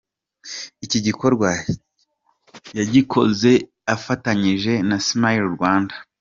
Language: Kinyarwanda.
Iki gikorwa yagikoze ifatanyije na Smile Rwanda.